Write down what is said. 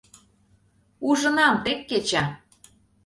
— Ужынам... тек кеча...